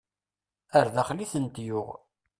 Ar daxel i tent-yuɣ.